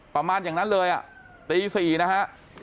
ประมาณอย่างนั้นเลยอ่ะตี๔นะฮะ